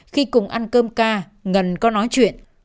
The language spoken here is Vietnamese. khi cùng ăn cơm ca ngân có nói chuyện